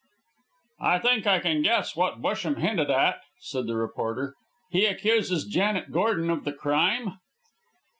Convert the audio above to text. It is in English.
"I think I can guess what Busham hinted at," said the reporter. "He accuses Janet Gordon of the crime?"